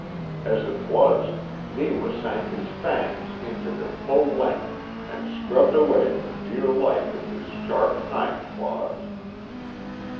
As it was, Neewa sank his fangs in to their full length, and scrubbed away for dear life with his sharp hind claws.